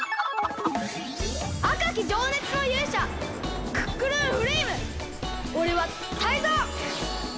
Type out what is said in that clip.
あかきじょうねつのゆうしゃクックルンフレイムおれはタイゾウ！